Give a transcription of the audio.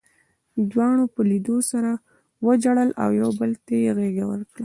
دواړو په لیدو سره وژړل او یو بل ته یې غېږه ورکړه